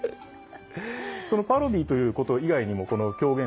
そのパロディーということ以外にもこの狂言「通圓」